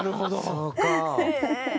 「そうか！」